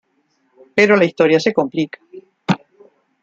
Pero la historia se complica.